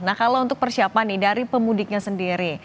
nah kalau untuk persiapan nih dari pemudiknya sendiri